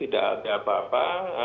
tidak ada apa apa